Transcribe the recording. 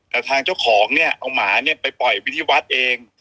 แต่ทางเจ้าของเนี่ยเอาหมาเนี่ยไปปล่อยไปที่วัดเอง